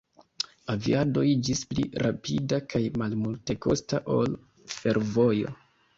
Aviado iĝis pli rapida kaj malmultekosta ol fervojo.